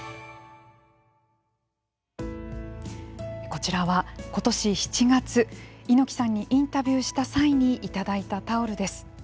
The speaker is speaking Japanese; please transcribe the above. こちらは、今年７月猪木さんにインタビューした際に頂いたタオルです。